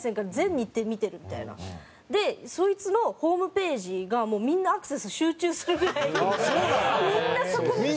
でそいつのホームページがもうみんなアクセス集中するぐらいみんなそこ見て。